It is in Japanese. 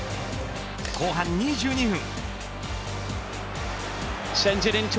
後半２２分。